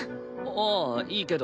ああいいけど。